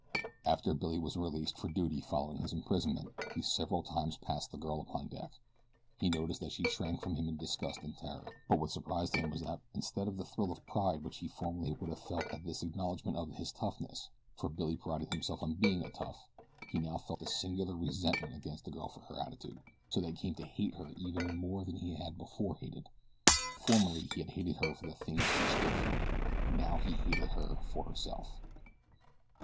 After Billy was released for duty following his imprisonment, he several times passed the girl upon deck. He noticed that she shrank from him in disgust and terror; but what surprised him was that instead of the thrill of pride which he formerly would have felt at this acknowledgment of his toughness, for Billy prided himself on being a tough, he now felt a singular resentment against the girl for her attitude, so that he came to hate her even more than he had before hated. Formerly he had hated her for the things she stood for, now he hated her for herself.